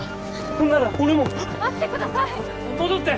そんなら俺も待ってください戻って！